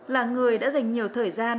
là người đã dành nhiều thời gian